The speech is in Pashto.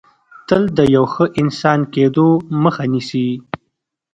تل د یو ښه انسان کېدو مخه نیسي